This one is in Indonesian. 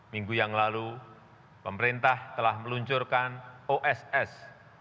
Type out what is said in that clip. minggu yang lalu pemerintah telah meluncurkan oss